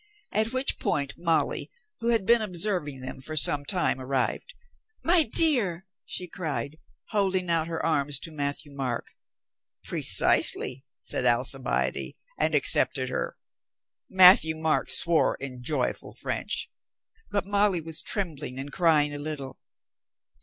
At which point Molly, who had been observing them for some time, arrived. "My dear!" she cried, holding out her arms to Matthieu Marc. "Precisely," said Alcibiade and accepted her. Matthieu Marc swore in joyful French. But Molly was trembling and crying a little.